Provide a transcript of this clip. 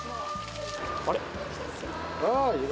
あれ？